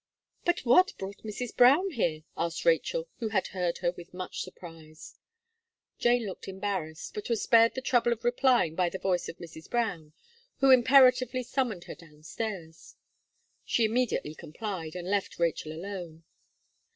"But what brought Mrs. Brown here?" asked Rachel, who had heard her with much surprise. Jane looked embarrassed, but was spared the trouble of replying by the voice of Mrs. Brown, who imperatively summoned her downstairs. She immediately complied, and left Rachel alone.